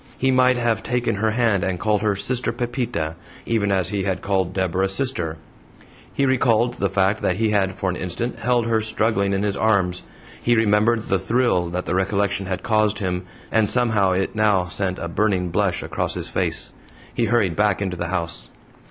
He might have taken her hand, and called her "Sister Pepita," even as he had called Deborah "Sister." He recalled the fact that he had for an instant held her struggling in his arms: he remembered the thrill that the recollection had caused him, and somehow it now sent a burning blush across his face. He hurried back into the house.